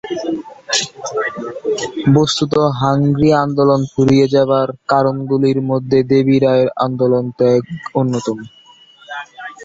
বস্তুত হাংরি আন্দোলন ফুরিয়ে যাবার কারণগুলির মধ্যে দেবী রায়ের আন্দোলন ত্যাগ অন্যতম।